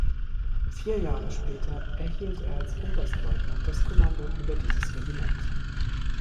Vier Jahre später erhielt er als Oberstleutnant das Kommando über dieses Regiment.